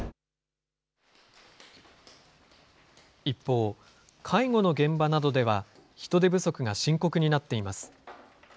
一方、介護の現場などでは、人手不足が深刻になっています。